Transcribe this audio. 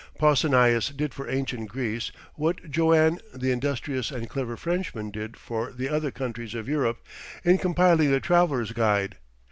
Pausanias did for ancient Greece what Joanne, the industrious and clever Frenchman did for the other countries of Europe, in compiling the "Traveller's Guide."